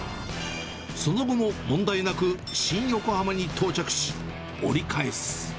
その後も問題なく新横浜に到着し、折り返す。